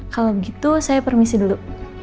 kalau begitu saya permisi dulu